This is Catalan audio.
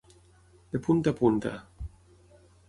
De punta a punta.